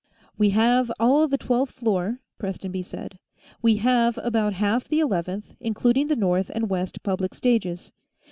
"We have all the twelfth floor," Prestonby said. "We have about half the eleventh, including the north and west public stages.